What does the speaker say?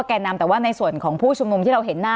แก่นำแต่ว่าในส่วนของผู้ชุมนุมที่เราเห็นหน้า